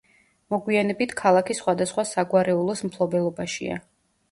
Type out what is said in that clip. მოგვიანებით ქალაქი სხვადასხვა საგვარეულოს მფლობელობაშია.